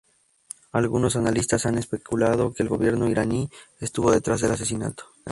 Algunos analistas han especulado que el gobierno iraní estuvo detrás del asesinato.